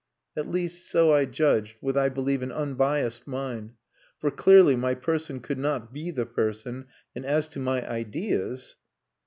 At least, so I judged with I believe an unbiassed mind; for clearly my person could not be the person and as to my ideas!...